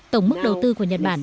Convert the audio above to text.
tổng mức đầu tư của nhật bản